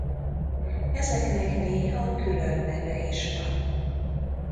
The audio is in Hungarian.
Ezeknek néha külön neve is van.